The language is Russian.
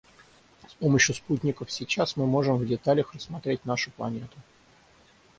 С помощью спутников сейчас мы можем в деталях рассмотреть нашу планету.